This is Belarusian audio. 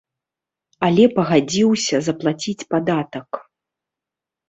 Але пагадзіўся заплаціць падатак.